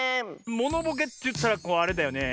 モノボケといったらあれだよね。